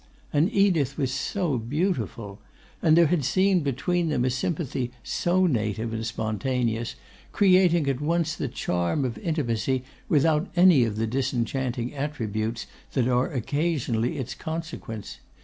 And Edith was so beautiful! And there had seemed between them a sympathy so native and spontaneous, creating at once the charm of intimacy without any of the disenchanting attributes that are occasionally its consequence.